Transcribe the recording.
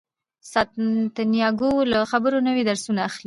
سانتیاګو له خبرو نوي درسونه اخلي.